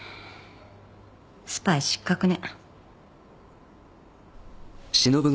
スパイ失格ね。